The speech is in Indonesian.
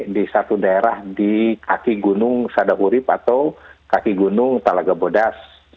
di satu daerah di kaki gunung sada urib atau kaki gunung talaga bodas